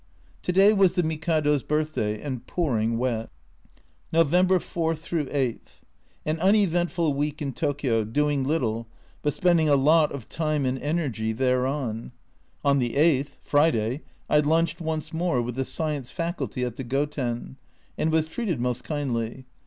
To day was the Mikado's birthday, and pouring wet ! November 4 8. An uneventful week in Tokio, doing little, but spending a lot of time and energy thereon. On the 8th (Friday) I lunched once more with the Science Faculty at the Goten, and was treated most kindly.